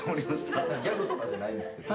ギャグとかじゃないんですけど。